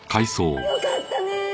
よかったねえ。